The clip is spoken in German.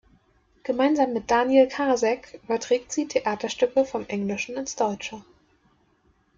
Gemeinsam mit Daniel Karasek überträgt sie Theaterstücke vom Englischen ins Deutsche.